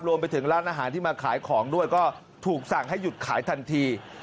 รวมไปถึงร้านอาหารที่มาขายของด้วยก็ถูกสั่งให้หยุดขายทันที